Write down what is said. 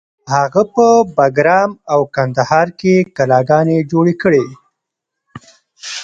هغه په بګرام او کندهار کې کلاګانې جوړې کړې